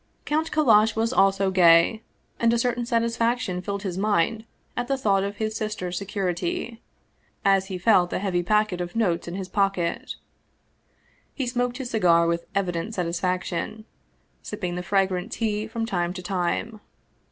Count Kallash was also gay, and a certain satisfaction filled his mind at the thought of his sister's security, as he felt the heavy packet of notes in his pocket. He smoked his cigar with evident satisfaction, sipping the fragrant tea from time to time.